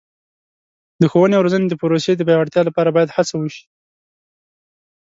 د ښوونې او روزنې د پروسې د پیاوړتیا لپاره باید هڅه وشي.